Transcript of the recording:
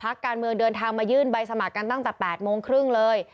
การเมืองเดินทางมายื่นใบสมัครกันตั้งแต่๘โมงครึ่งเลย